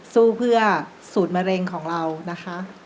สู้เพื่อสูตรมะเร็งของเรานะคะ